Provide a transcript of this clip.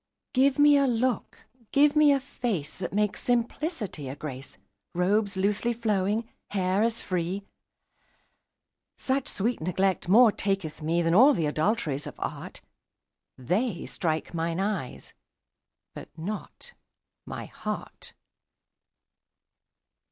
Give me a look, give me a face That makes simplicity a grace; Robes loosely flowing, hair as free: Such sweet neglect more taketh me 10 Than all th' adulteries of art; They strike mine eyes, but not my heart.